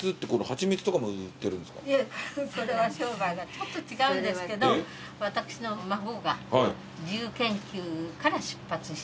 いやそれは商売ちょっと違うんですけど私の孫が自由研究から出発して。